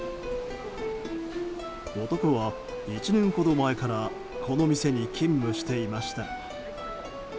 男は、１年ほど前からこの店に勤務していました。